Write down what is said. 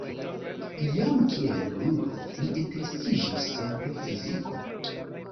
Jam kiel junulo li interesiĝis pro fiziko.